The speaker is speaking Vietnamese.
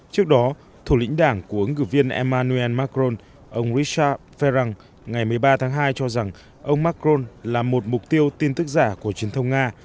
trước đó thủ lĩnh đảng của ứng cử viên emmanuel macron ông richard ferrang ngày một mươi ba tháng hai cho rằng ông macron là một mục tiêu tin tức giả của truyền thông nga